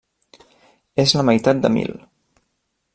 És la meitat de mil.